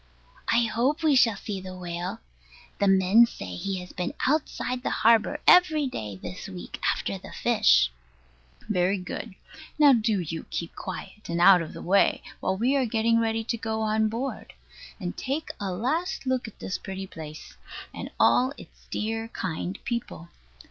I hope we shall see the whale. The men say he has been outside the harbour every day this week after the fish. Very good. Now do you keep quiet, and out of the way, while we are getting ready to go on board; and take a last look at this pretty place, and all its dear kind people.